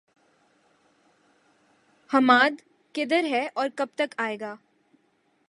حماد، کدھر ہے اور کب تک آئے گا؟